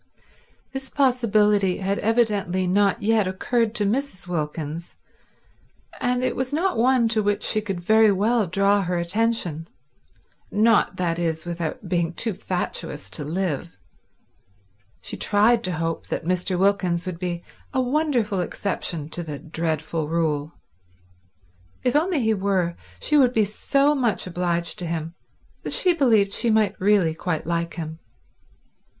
This possibility had evidently not yet occurred to Mrs. Wilkins, and it was not one to which she could very well draw her attention; not, that is, without being too fatuous to live. She tried to hope that Mr. Wilkins would be a wonderful exception to the dreadful rule. If only he were, she would be so much obliged to him that she believed she might really quite like him.